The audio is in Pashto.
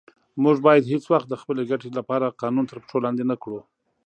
موږ باید هیڅ وخت د خپلې ګټې لپاره قانون تر پښو لاندې نه کړو.